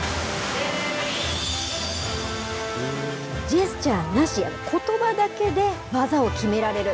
ジェスチャーなしで、ことばだけで技を決められる。